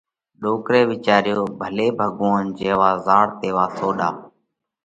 ڏوڪرئہ وِيچاريو: ڀلي ڀڳوونَ، جيوا زهاڙ، تيوا سوڏا۔